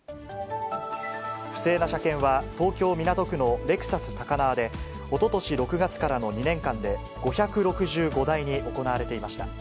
不正な車検は東京・港区のレクサス高輪で、おととし６月からの２年間で５６５台に行われていました。